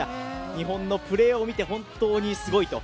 日本のプレーを見て本当にすごいと。